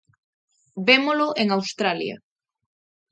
Vémolo en Australia.